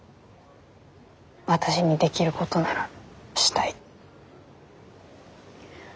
私にできることならしたい。